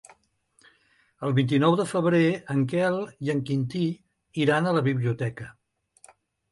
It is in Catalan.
El vint-i-nou de febrer en Quel i en Quintí iran a la biblioteca.